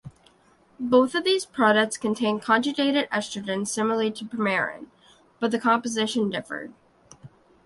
Both of these products contained conjugated estrogens similarly to Premarin, but the composition differed.